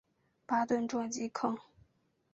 巴顿撞击坑